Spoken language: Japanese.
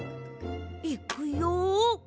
いくよ？